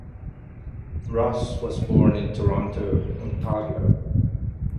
Ross was born in Toronto, Ontario.